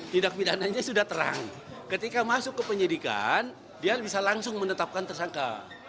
tindak pidananya sudah terang ketika masuk ke penyidikan dia bisa langsung menetapkan tersangka